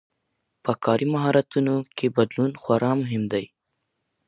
په کاري مهارتونو کي بدلون خورا مهم دی.